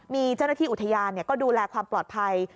มีเจ้าหน้าที่อุทยานก็ดูแลความปลอดภัย